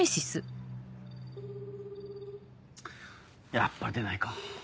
やっぱり出ないか。